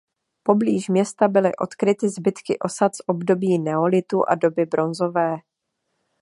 Poblíž města byly odkryty zbytky osad z období neolitu a doby bronzové.